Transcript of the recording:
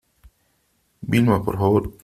Vilma , por favor .